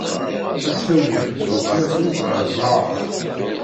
Ad d-tawyemt weltma-twent ɣer tmeɣra.